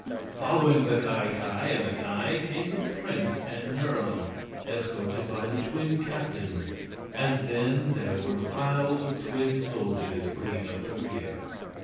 Following the Ki Ki and the Ki came the prince and Nerle, escorted by the twin captains, and then there were files of twin soldiers bringing up the rear.